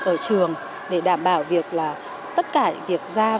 ở trường để đảm bảo việc là tất cả những người có lịch trực